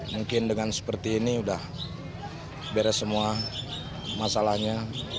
mungkin dengan seperti ini sudah beres semua masalahnya